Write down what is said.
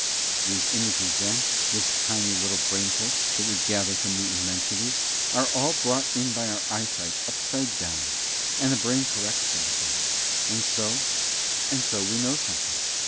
These images then, this tiny little brainful that we gather from the immensities, are all brought in by our eyesight upside down, and the brain corrects them again; and so, and so we know something.